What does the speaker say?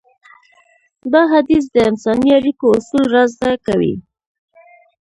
دا حديث د انساني اړيکو اصول رازده کوي.